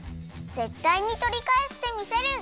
ぜったいにとりかえしてみせる！